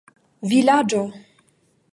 vilaĝo